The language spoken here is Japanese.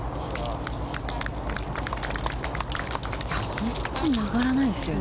本当に曲がらないですね。